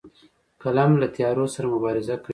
قلم له تیارو سره مبارزه کوي